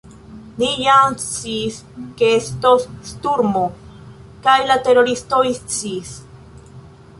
Ni jam sciis, ke estos sturmo, kaj la teroristoj sciis.